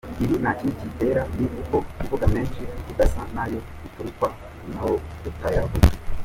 Ibi nta kindi kibitera ni uko kuvuga menshi udasa na yo birutwa no kutayavuga.